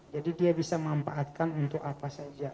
jadi dia bisa mempaatkan untuk apa saja